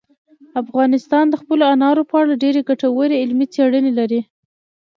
افغانستان د خپلو انارو په اړه ډېرې ګټورې علمي څېړنې لري.